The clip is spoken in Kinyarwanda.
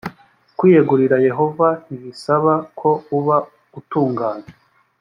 kwiyegurira yehova ntibisaba ko uba utunganye